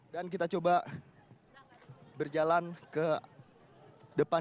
dan kita coba berjalan ke depan